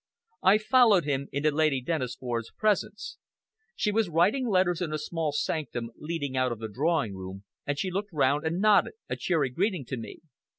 I followed him into Lady Dennisford's presence. She was writing letters in a small sanctum leading out of the drawing room, and she looked round and nodded a cheery greeting to me.